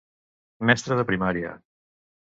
Mestre de Primària.